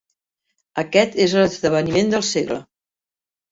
Aquest és l'esdeveniment del segle.